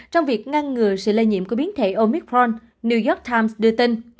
trong việc ngăn ngừa sự lây nhiễm của biến thể omicron